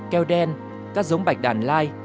keo đen các giống bạch đàn lai